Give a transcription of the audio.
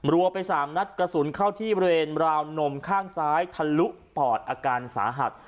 รัวไป๓นัดกระสุนเข้าที่บริเวณราวนมข้างซ้ายทะลุปอดอาการสาหัส